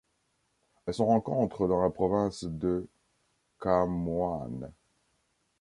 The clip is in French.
Elle se rencontre dans la province de Khammouane.